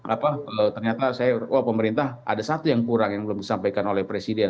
apa ternyata saya wah pemerintah ada satu yang kurang yang belum disampaikan oleh presiden